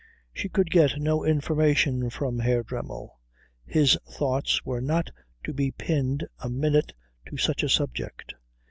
She could get no information from Herr Dremmel. His thoughts were not to be pinned a minute to such a subject.